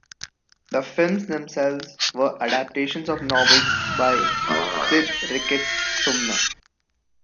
The films themselves were adaptations of novels by Cid Ricketts Sumner.